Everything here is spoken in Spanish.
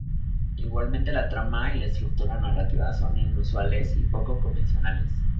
Igualmente, la trama y la estructura narrativa son inusuales y poco convencionales.